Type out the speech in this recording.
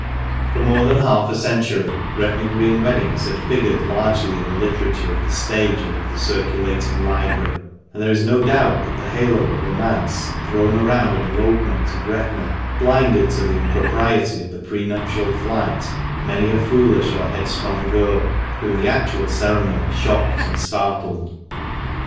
For more than half a century Gretna Green weddings had figured largely in the literature of the stage and of the circulating library ; and there is no doubt that the halo of romance thrown around an elope ment to Gretna blinded to the impropriety of the prenuptial flight many a foolish or headstrong girl whom the actual ceremony shocked and startled.